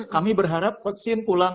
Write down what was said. kami berharap kocin pulang